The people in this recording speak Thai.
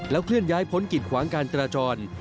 เคลื่อนย้ายพ้นกิจขวางการจราจร